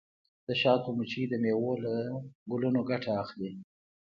د شاتو مچۍ د میوو له ګلونو ګټه اخلي.